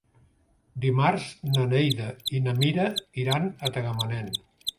Dimarts na Neida i na Mira iran a Tagamanent.